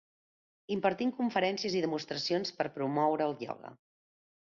Impartint conferències i demostracions per promoure el ioga.